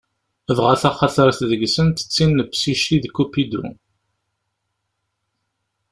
Dɣa taxtart gar-asent d tin n Psici d Kupidu.